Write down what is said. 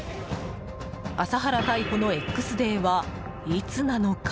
麻原逮捕のＸデーはいつなのか。